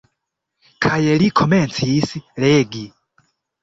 Kaj li komencis legi.